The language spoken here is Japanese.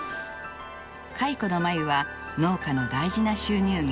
蚕の繭は農家の大事な収入源。